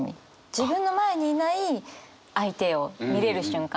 自分の前にいない相手を見れる瞬間じゃないですか。